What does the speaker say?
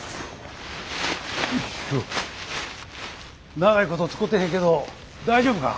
長いこと使てへんけど大丈夫か？